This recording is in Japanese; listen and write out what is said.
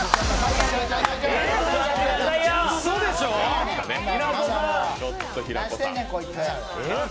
うそでしょう、平子さん！